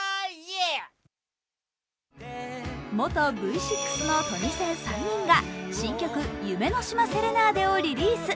元Ｖ６のトニセン３人が新曲「夢の島セレナーデ」をリリース。